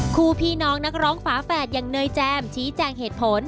คู่พี่น้องนักร้องฝาแฝดอย่างเนยแจมชี้แจงเหตุผล